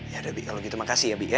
ya udah bi kalau gitu makasih ya bi ya